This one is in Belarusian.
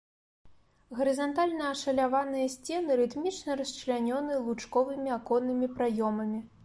Гарызантальна ашаляваныя сцены рытмічна расчлянёны лучковымі аконнымі праёмамі.